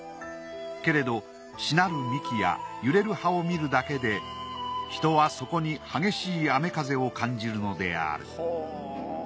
けれどしなる幹や揺れる葉を見るだけで人はそこに激しい雨風を感じるのである。